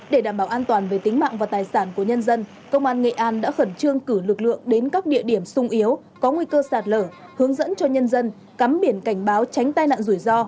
để đảm bảo an toàn về tính mạng và tài sản của nhân dân công an nghệ an đã khẩn trương cử lực lượng đến các địa điểm sung yếu có nguy cơ sạt lở hướng dẫn cho nhân dân cắm biển cảnh báo tránh tai nạn rủi ro